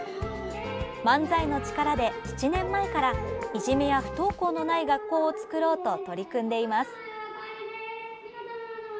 漫才の力で、７年前からいじめや不登校のない学校を作ろうと取り組んでいます。